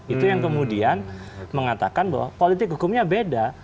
itu yang kemudian mengatakan bahwa politik hukumnya beda